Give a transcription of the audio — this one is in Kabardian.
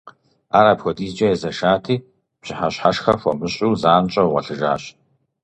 Ар апхуэдизкӀэ езэшати, пщыхьэщхьэшхэ хуэмыщӀу, занщӀэу гъуэлъыжащ.